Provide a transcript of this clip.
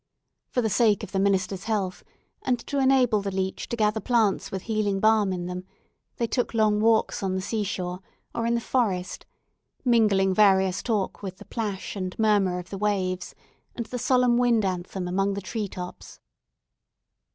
For the sake of the minister's health, and to enable the leech to gather plants with healing balm in them, they took long walks on the sea shore, or in the forest; mingling various walks with the splash and murmur of the waves, and the solemn wind anthem among the tree tops.